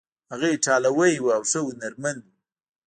هغه ایټالوی و او ښه هنرمند و.